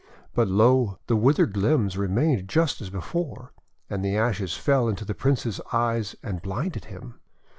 But, lo! the withered limbs remained just as before, and the ashes fell into the Prince's eyes and blinded him.